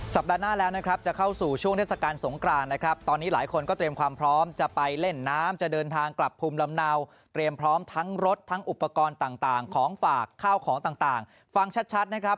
หน้าแล้วนะครับจะเข้าสู่ช่วงเทศกาลสงกรานนะครับตอนนี้หลายคนก็เตรียมความพร้อมจะไปเล่นน้ำจะเดินทางกลับภูมิลำเนาเตรียมพร้อมทั้งรถทั้งอุปกรณ์ต่างของฝากข้าวของต่างฟังชัดนะครับ